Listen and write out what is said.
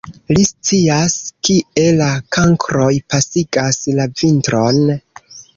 Li scias, kie la kankroj pasigas la vintron.